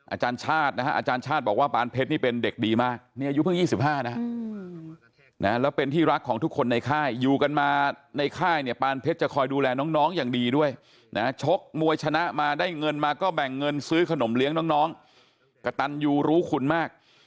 อาจารย์ชาตินะฮะอาจารย์ชาติบอกว่าปานเพชรนี่เป็นเด็กดีมากนี่อายุเพิ่ง๒๕นะแล้วเป็นที่รักของทุกคนในค่ายอยู่กันมาในค่ายเนี่ยปานเพชรจะคอยดูแลน้องอย่างดีด้วยนะชกมวยชนะมาได้เงินมาก็แบ่งเงินซื้อขนมเลี้ยงน้องกระตันยูรู้คุณมาก